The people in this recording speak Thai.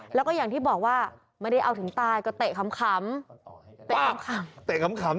แล้วก็อย่างที่บอกว่าไม่ได้เอาถึงตายก็เตะขำ